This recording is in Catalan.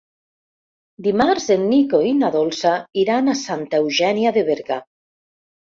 Dimarts en Nico i na Dolça iran a Santa Eugènia de Berga.